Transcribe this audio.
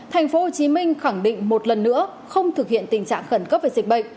thành phố hồ chí minh khẳng định một lần nữa không thực hiện tình trạng khẩn cấp về dịch bệnh